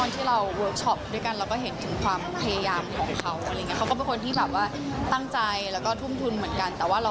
แต่เราเข้าใจว่า